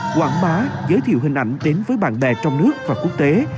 quảng bá giới thiệu hình ảnh đến với bạn bè trong nước và quốc tế